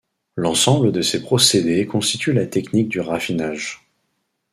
L'ensemble de ces procédés constituent la technique du raffinage.